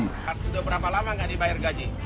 sudah berapa lama nggak dibayar gaji